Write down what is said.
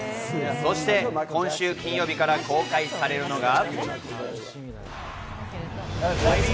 そして、今週金曜日から公開されるのが。